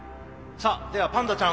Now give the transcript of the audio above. さあではパンダちゃん